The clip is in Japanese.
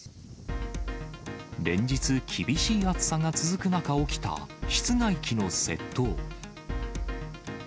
連日、厳しい暑さが続く中、起きた室外機の窃盗。